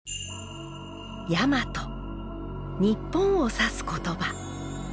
日本を指す言葉。